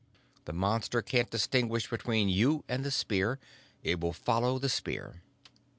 The Monster can't distinguish between you and the spear. It will follow the spear."